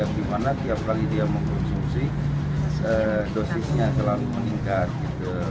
di mana tiap kali dia mengonsumsi dosisnya selalu meningkat